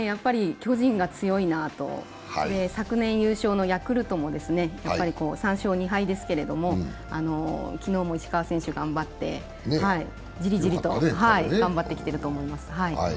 巨人が強いなと、昨年優勝のヤクルトもやっぱり３勝２敗ですけれども昨日も石川選手頑張ってジリジリと頑張ってきてると思います。